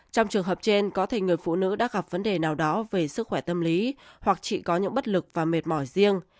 trong trường hợp trên có thể người phụ nữ đã gặp vấn đề nào đó về sức khỏe tâm lý hoặc chị có những bất lực và mệt mỏi riêng